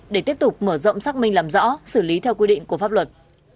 để tiếp tục mở rộng xác minh làm rõ xử lý theo quy định của pháp luật